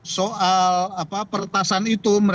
soal peretasan itu